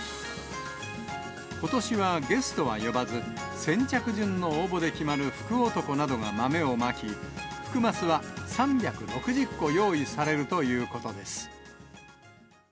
ことしはゲストは呼ばず、先着順の応募で決まる福男などが豆をまき、福ますは３６０個用意されるということです。